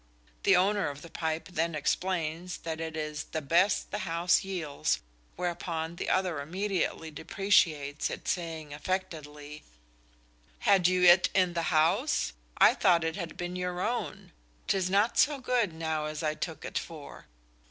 The owner of the pipe then explains that it is "the best the house yields," whereupon the other immediately depreciates it, saying affectedly: "Had you it in the house? I thought it had been your own: 'tis not so good now as I took it for!"